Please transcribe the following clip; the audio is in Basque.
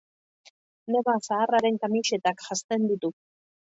Neba zaharraren kamisetak janzten ditu.